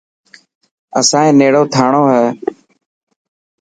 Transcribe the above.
اسانڻي نيڙو ٿانڙو هي.